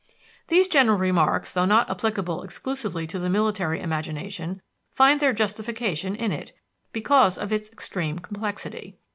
These general remarks, although not applicable exclusively to the military imagination, find their justification in it, because of its extreme complexity.